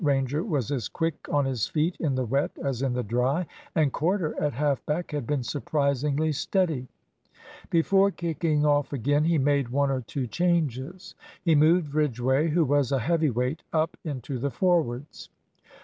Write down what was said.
Ranger was as quick on his feet in the wet as in the dry; and Corder at half back had been surprisingly steady. Before kicking off again he made one or two changes. He moved Ridgway, who was a heavy weight, up into the forwards.